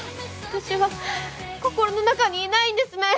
私は心の中にいないんですね。